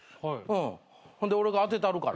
ほんで俺が当てたるから。